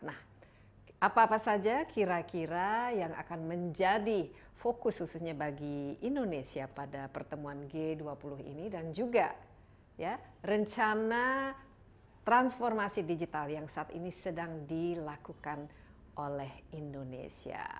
nah apa apa saja kira kira yang akan menjadi fokus khususnya bagi indonesia pada pertemuan g dua puluh ini dan juga rencana transformasi digital yang saat ini sedang dilakukan oleh indonesia